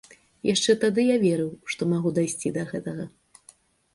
Яшчэ тады я верыў, што магу дайсці да гэтага.